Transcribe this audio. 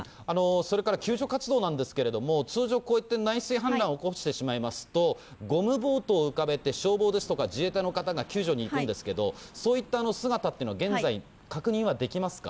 それから救助活動なんですけれども、通常、こうやって内水氾濫を起こしてしまいますと、ゴムボートを浮かべて、消防ですとか、自衛隊の方が救助に行くんですけど、そういった姿っていうのは現在、確認はできますか？